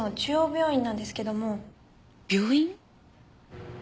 病院？